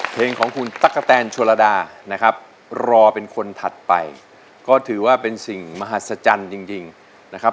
เพลงของคุณตั๊กกะแตนโชลดานะครับรอเป็นคนถัดไปก็ถือว่าเป็นสิ่งมหัศจรรย์จริงนะครับ